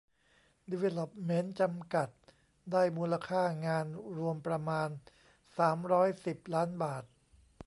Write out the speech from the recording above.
ดีเวลล็อปเมนต์ จำกัด ได้มูลค่างานรวมประมาณ สามร้อยสิบ ล้านบาท